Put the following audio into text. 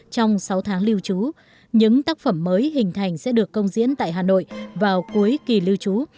trong sáu tháng lưu trú những tác phẩm mới hình thành sẽ được công diễn tại hà nội vào cuối kỳ lưu trú